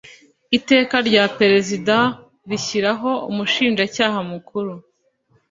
iteka rya perezida rishyiraho umushinjacyaha mukuru .